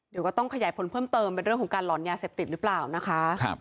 เดี๋ยวก็ต้องขยายผลเพิ่มเติมเป็นเรื่องของการหลอนยาเสพติดหรือเปล่านะคะ